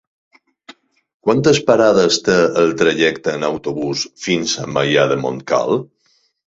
Quantes parades té el trajecte en autobús fins a Maià de Montcal?